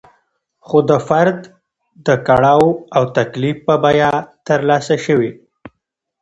خو د فرد د کړاو او تکلیف په بیه ترلاسه شوې.